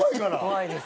怖いです。